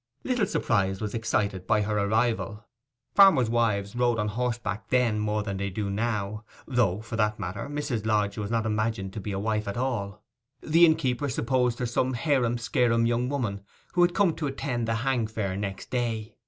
Little surprise was excited by her arrival; farmers' wives rode on horseback then more than they do now; though, for that matter, Mrs. Lodge was not imagined to be a wife at all; the innkeeper supposed her some harum skarum young woman who had come to attend 'hang fair' next day.